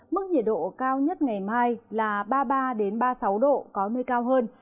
mức nhiệt độ cao nhất ngày mai là ba mươi ba ba mươi sáu độ có nơi cao hơn